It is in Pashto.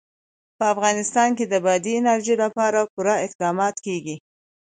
په افغانستان کې د بادي انرژي لپاره پوره اقدامات کېږي.